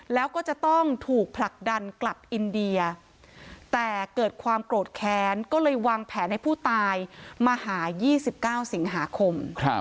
แล้วก็จะต้องถูกผลักดันกลับอินเดียแต่เกิดความโกรธแค้นก็เลยวางแผนให้ผู้ตายมาหา๒๙สิงหาคม